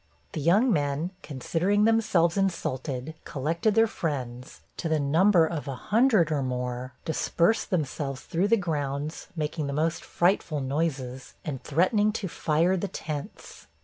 The young men, considering themselves insulted, collected their friends, to the number of a hundred or more, dispersed themselves through the grounds, making the most frightful noises, and threatening to fire the tents.